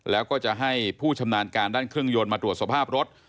แล้วก็จะให้ผู้ชำนาญการด้านเครื่องยนต์มาตรวจสภาพรถ